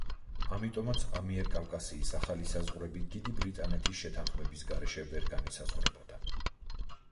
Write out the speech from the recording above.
ამიტომაც ამიერკავკასიის ახალი საზღვრები დიდი ბრიტანეთის შეთანხმების გარეშე ვერ განისაზღვრებოდა.